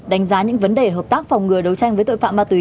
đánh giá những vấn đề hợp tác phòng ngừa đấu tranh với tội phạm ma túy